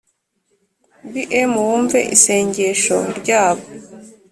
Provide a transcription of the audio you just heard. Bm wumve isengesho ryabo